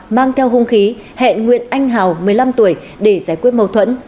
mang theo hung khí hẹn nguyễn anh hào một mươi năm tuổi để giải quyết mâu thuẫn